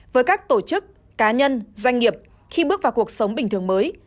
với các tổ chức cá nhân doanh nghiệp khi bước vào cuộc sống bình thường mới